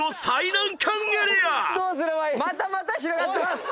また股広がってます。